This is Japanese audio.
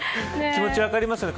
気持ちは、分かりますよね。